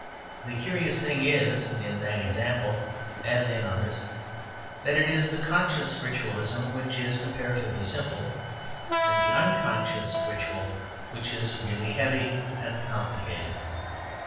The curious thing is, in that example as in others, that it is the conscious ritualism which is comparatively simple, the unconscious ritual which is really heavy and complicated.